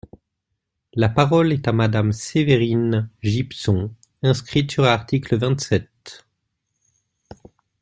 La parole est à Madame Séverine Gipson, inscrite sur l’article vingt-sept.